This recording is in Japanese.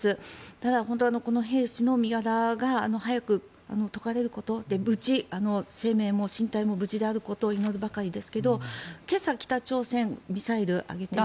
ただ、この兵士の身柄が早く解かれること生命も身体も無事であることを祈るばかりですが今朝、北朝鮮ミサイルを上げていて。